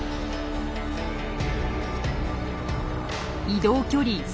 移動距離